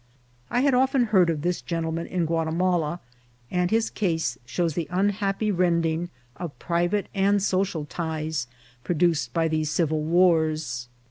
I had often heard of this gentleman in Guatimala, and his case shows the unhap py rending of private and social ties produced by these civil wars.